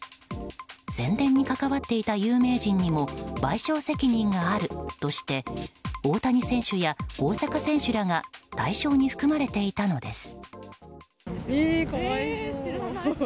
宣伝に関わっていた有名人にも賠償責任があるとして大谷選手や大坂選手らが対象に含まれていたのです。